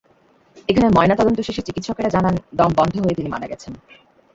এখানে ময়নাতদন্ত শেষে চিকিৎসকেরা জানান, দম বন্ধ হয়ে তিনি মারা গেছেন।